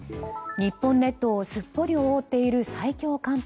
日本列島をすっぽり覆っている最強寒波。